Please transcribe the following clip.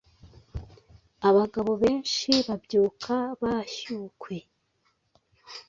abagabo benshi babyuka bashyukwe